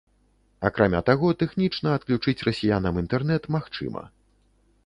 Акрамя таго, тэхнічна адключыць расіянам інтэрнэт магчыма.